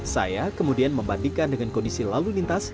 saya kemudian membandingkan dengan kondisi lalu lintas